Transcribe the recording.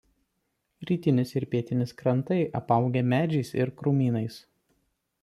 Rytinis ir pietinis krantai apaugę medžiais ir krūmynais.